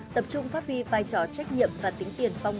tập trung phát huy vai trò trách nhiệm và tính tiền phong